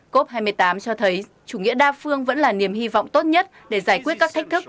cop hai mươi tám cho thấy chủ nghĩa đa phương vẫn là niềm hy vọng tốt nhất để giải quyết các thách thức